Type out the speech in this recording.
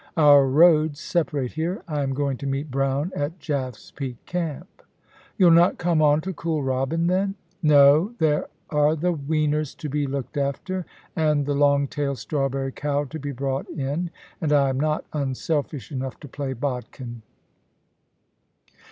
Our roads separate here. I am going to meet Brown at Jaff's Peak Camp.' * You'll not come on to Kooralbyn, then ?No ; there are the weaners to be looked after, and the long tailed strawberry cow to be brought in. And I am not unselfish enough to play bodkin.'